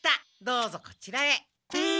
どうぞこちらへ。